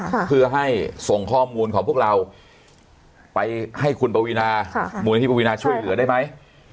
ค่ะเพื่อให้ส่งข้อมูลของพวกเราไปให้คุณปวีนาค่ะมูลนิธิปวีนาช่วยเหลือได้ไหม